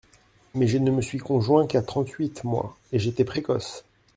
Mais je ne me suis conjoint qu’à trente-huit, moi !… et j’étais précoce !…